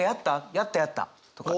「やったやった」とか。